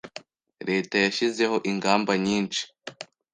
Leta yashyizeho ingamba nyinshi